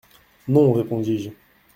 —Non, répondis-je.